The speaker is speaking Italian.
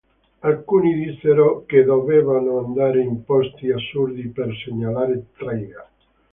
Alcuni dissero che dovevano andare in posti assurdi per segnalare Trigger.